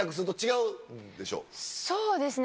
そうですね